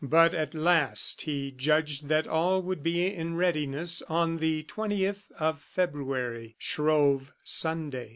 But, at last, he judged that all would be in readiness on the 20th of February, Shrove Sunday.